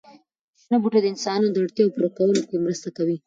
شنه بوټي د انسانانو د اړتیاوو پوره کولو کې مرسته کوي.